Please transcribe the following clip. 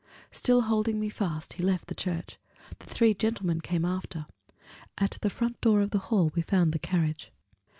Still holding me fast, he left the church: the three gentlemen came after. At the front door of the hall we found the carriage.